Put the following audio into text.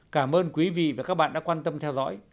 cảm ơn quý vị và các bạn đã quan tâm theo dõi